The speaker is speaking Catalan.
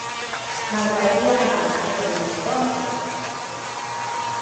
M'agradaria anar al carrer del Moixeró amb cotxe.